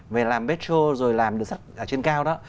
về làm metro rồi làm đường sắt ở trên cao đó